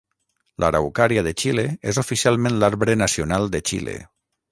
L'araucària de Xile és oficialment l'arbre nacional de Xile.